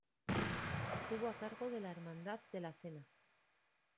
Estuvo a cargo de la Hermandad de la Cena.